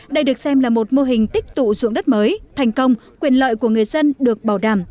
đây được xem là một mô hình tích tụ dụng đất mới thành công quyền lợi của người dân được bảo đảm